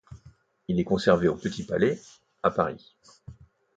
Il est conservé au Petit Palais, à Paris.